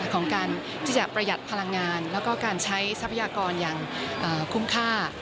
ของการที่จะประหยัดพลังงานแล้วก็การใช้ทรัพยากรอย่างคุ้มค่า